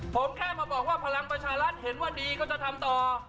ผมแค่มาบอกว่าพลังประชารัฐเห็นว่าดีก็จะทำต่อ